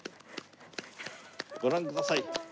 ご覧ください。